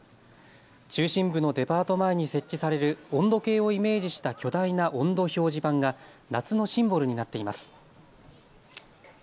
中心部のデパート前に設置される温度計をイメージした巨大な温度表示板が夏のシンボルになっています。